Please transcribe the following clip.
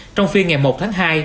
trong phiên ngày một tháng hai